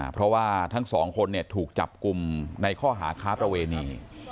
เพราะว่าทั้งสองคนถูกจับกลุ่มในข้อหาค้าประเวณี